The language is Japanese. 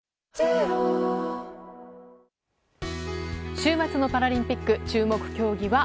週末のパラリンピック注目競技は？